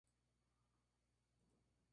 Se encuentra ubicado la Av.